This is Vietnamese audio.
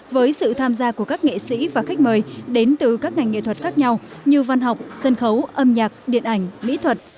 với sự tham gia của các nghệ sĩ và khách mời đến từ các ngành nghệ thuật khác nhau như văn học sân khấu âm nhạc điện ảnh mỹ thuật